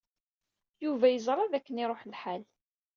Yuba yeẓra dakken iṛuḥ lḥal.